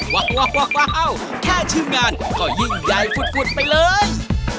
ว้าวแค่ชื่องานก็ยิ่งใหญ่ฝุดไปเลย